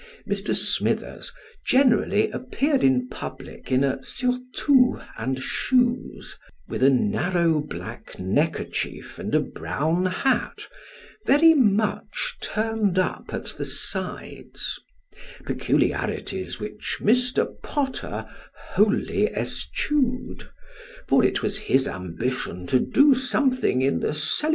Mr. Smithers generally appeared in public in a surtout and shoes, with a narrow black neckerchief and a brown hat, very much turned up at the sides peculiarities which Mr. Potter wholly eschewed, for it was his ambition to do something in the cele i^Haw Messrs. Potter a'nd Smithers.